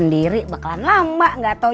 nanti kalau kamu ketemu